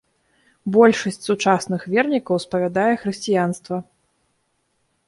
Большасць сучасных вернікаў спавядае хрысціянства.